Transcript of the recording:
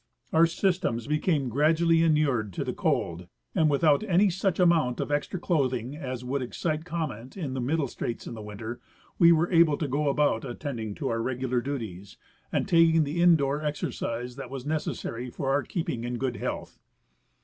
Our sys tems became gradually inured to the cold and, without any such amount of extra clothing as v/ould excite comment in the middle states in winter, we were able to go about attending to our reg ular duties, and taking the indoor exercise that was necessary for our keeping in good health.